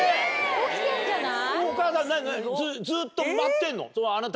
起きてんじゃない？